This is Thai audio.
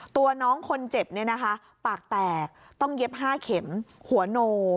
ตัวน้องคนเจ็บเนี่ยนะคะปากแตกต้องเย็บ๕เข็มหัวโน